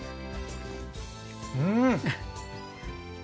うん。